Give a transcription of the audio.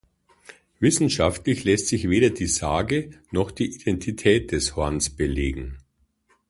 Wissenschaftlich lässt sich weder die Sage, noch die Identität des Horns belegen.